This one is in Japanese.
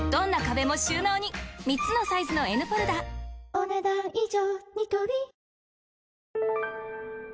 お、ねだん以上。